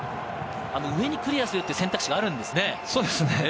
上にクリアするという選択肢があるんですね。